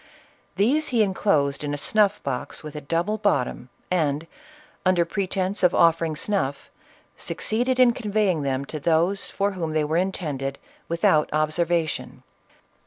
These he en closed in a snuff box with a double bottom, and, under pretence of offering snuff, succeeded in conveying them to those for whom they were intended, without obser vation.